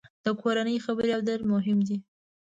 د کورنۍ خبرې اورېدل مهم دي.